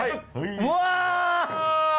うわ！